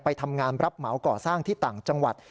ไปทำงานรับเหมาก่อสร้างที่ต่างจังหวัด